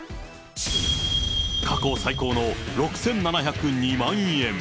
過去最高の６７０２万円。